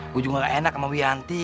gue juga gak enak sama wianti